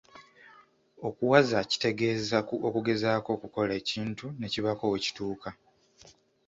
Okuwaza kitegeeza okugezaako okukola ekintu ne kibaako we kituuka.